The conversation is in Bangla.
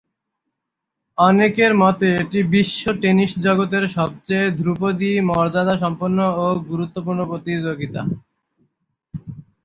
অনেকের মতে এটি বিশ্ব টেনিস জগতের সবচেয়ে ধ্রুপদী, মর্যাদাসম্পন্ন ও গুরুত্বপূর্ণ প্রতিযোগিতা।